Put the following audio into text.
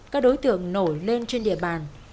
các đối tượng nổi lên trên địa bàn